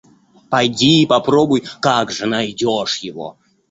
Пойди, попробуй, — как же, найдешь его!